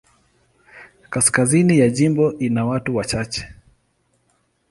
Kaskazini ya jimbo ina watu wachache.